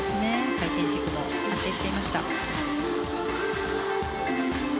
回転軸も安定していました。